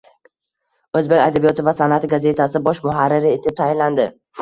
O'zbek adabiyoti va san'ati gazetasi bosh muharriri etib tayinlandi.